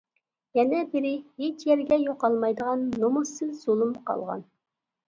يەنە بىرى ھېچيەرگە يوقالمايدىغان نومۇسسىز زۇلۇم قالغان.